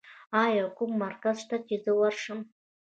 ایا کوم مرکز شته چې زه ورشم؟